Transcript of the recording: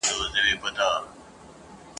د لمر وړانګي خوب او خیال ورته ښکاریږي !.